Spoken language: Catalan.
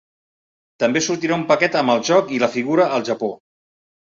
També sortirà un paquet amb el joc i la figura al Japó.